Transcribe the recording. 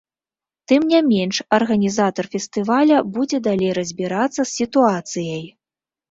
Тым не менш, арганізатар фестываля будзе далей разбірацца з сітуацыяй.